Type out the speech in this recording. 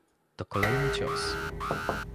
To kolejny cios!